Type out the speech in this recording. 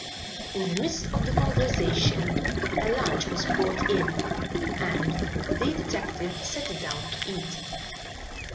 In the midst of the conversation a lunch was brought in and the detective sat down to eat.